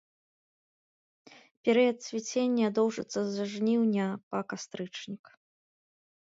Перыяд цвіцення доўжыцца з жніўня па кастрычнік.